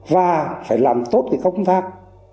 và phải làm tốt công tác